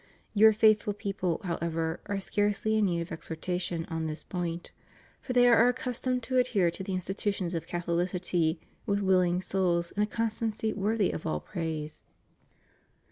Your faithful people, however, are scarcely in need of exhortation on this point; for they are accustomed to adhere to the institutions of CathoUcity with wiUing souls and a con stancy worthy of all praise.